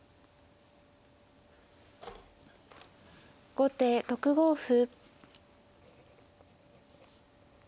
後手６五歩。